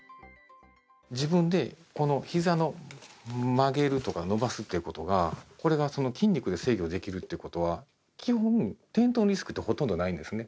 自分でこのひざの曲げるとか、伸ばすっていうことが、これがその筋肉で制御できるってことは、基本、転倒リスクってほとんどないんですね。